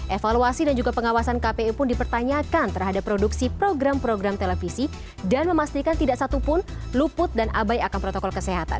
evaluasi dan juga pengawasan kpu pun dipertanyakan terhadap produksi program program televisi dan memastikan tidak satupun luput dan abai akan protokol kesehatan